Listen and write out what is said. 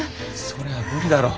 それは無理だろ。